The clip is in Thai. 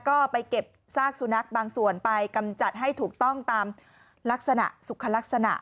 ก็ไปเก็บซากสุนัขบางส่วนไปกำจัดให้ถูกต้องตามลักษณะสุขลักษณะ